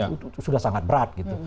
itu sudah sangat berat gitu